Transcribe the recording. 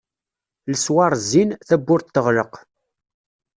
Leswar zzin, tawwurt teɣleq.